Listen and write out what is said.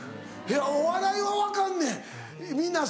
いやお笑いは分かんねん